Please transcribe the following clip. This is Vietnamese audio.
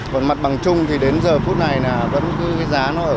còn mặt bằng chung thì đến giờ phút này là vẫn cứ giá nó ở